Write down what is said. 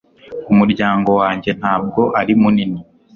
Umuryango wanjye ntabwo ari munini